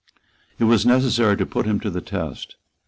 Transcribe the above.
It was necessary to put him to the test.